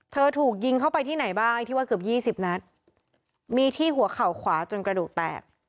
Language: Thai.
ถูกยิงเข้าไปที่ไหนบ้างที่ว่าเกือบยี่สิบนัดมีที่หัวเข่าขวาจนกระดูกแตก